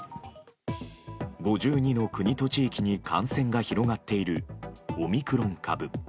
５２の国と地域に感染が広がっているオミクロン株。